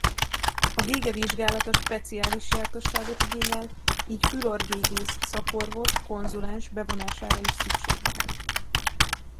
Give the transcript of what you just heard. A gége vizsgálata speciális jártasságot igényel így fül-orr-gégész szakorvos konzulens bevonására is szükség lehet.